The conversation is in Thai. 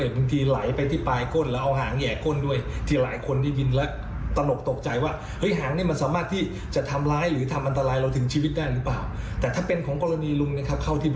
มีปัญหาสำคัญคือส่วนที่ของรัดตัวเนี่ย